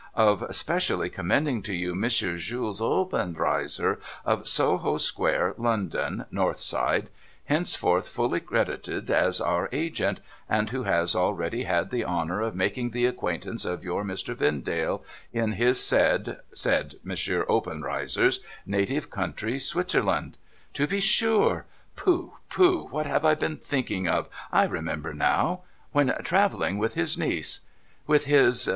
"— Of specially commending to you M. Jules Obenreizer, of Soho square, London (north side), henceforth fully accredited as our agent, and who has already had the honour of making the acquaintance of your Mr. Vendale, in his (said M. Obenreizer's) native country, Switzerland." To be sure ! pooh pooh, what have I been thinking of ! I remember now ;" when travelling with his niece." ' 'With his